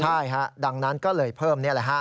ใช่ฮะดังนั้นก็เลยเพิ่มนี่แหละฮะ